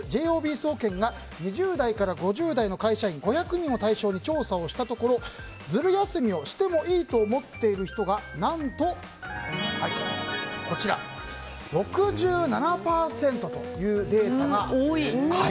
Ｊｏｂ総研が２０代から５０代の会社員５００人を対象に調査をしたところズル休みをしてもいいと思っている人が何と６７％というデータが。